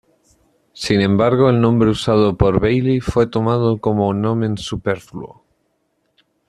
Sin embargo el nombre usado por Bailey fue tomado como "nomen superfluo".